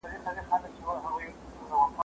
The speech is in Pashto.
زه به اوږده موده د يادښتونه بشپړ کړم